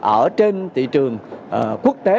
ở trên thị trường quốc tế